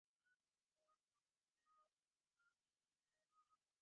তিনি ঘরের বাহিরে সেই প্রাঙ্গণে দাঁড়াইয়া কথাবার্তা আরম্ভ করিয়া দিলেন।